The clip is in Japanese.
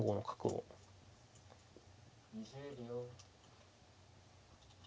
２０秒。